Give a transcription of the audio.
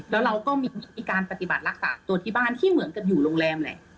แล้วเราก็มีการปฏิบัติรักษาตัวที่บ้านที่เหมือนกับอยู่โรงแรมแหละ